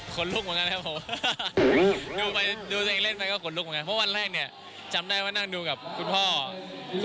ขนลุกขนลุกเหมือนกันครับผม